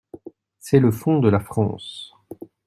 C'est le fonds de la France.